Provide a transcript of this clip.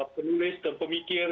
penulis dan pemikir